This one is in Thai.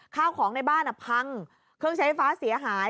ข้าวของในบ้านพังเครื่องใช้ไฟฟ้าเสียหาย